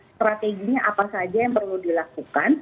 strateginya apa saja yang perlu dilakukan